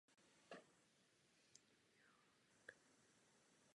Její předchůdkyní byla Sovětská liga ledního hokeje a její nižší soutěže.